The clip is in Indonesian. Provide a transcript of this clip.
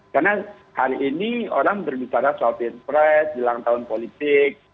karena hari ini orang berbicara soal pinpres jelang tahun politik